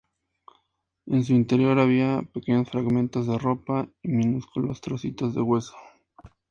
En su interior había pequeños fragmentos de ropa y minúsculos trocitos de hueso.